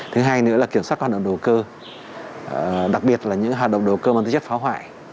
thứ hai nữa là kiểm soát hoạt động đồ cơ đặc biệt là những hoạt động đồ cơ bằng tính chất phá hoại